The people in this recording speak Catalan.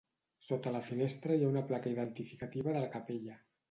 Sota la finestra hi ha una placa identificativa de la capella.